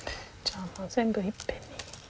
全部いっぺんに。